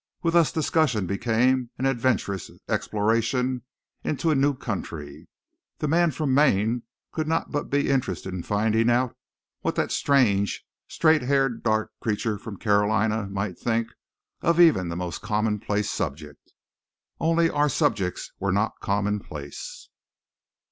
With us discussion became an adventurous exploration into a new country; the man from Maine could not but be interested in finding out what that strange, straight haired, dark creature from Carolina might think of even the most commonplace subject. Only our subjects were not commonplace.